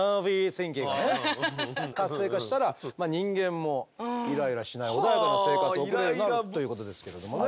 神経がね活性化したら人間もイライラしない穏やかな生活を送るようになるということですけれどもね。